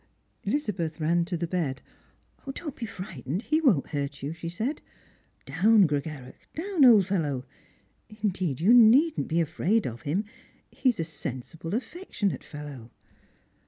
Elizabeth ran to the bed. "Don't be frightened, he won't hurt you," she said. " Down, Gregarach ; down, old fellow. Indeed you needn't be afraid of him ; he's a sensible aflpec tionate fellow."